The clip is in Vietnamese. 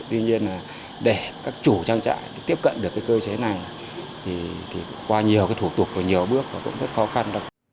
tuy nhiên để các chủ trang trại tiếp cận được cơ chế này thì qua nhiều thủ tục và nhiều bước cũng rất khó khăn